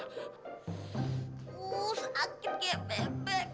aduh sakit kayak bebek